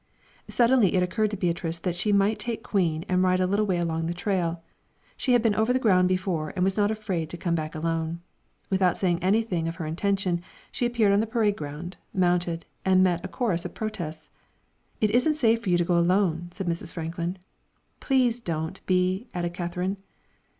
Suddenly it occurred to Beatrice that she might take Queen and ride a little way along the trail. She had been over the ground before and was not afraid to come back alone. Without saying anything of her intention, she appeared on the parade ground, mounted, and met a chorus of protests. "It isn't safe for you to go alone," said Mrs. Franklin. "Please don't, Bee," added Katherine.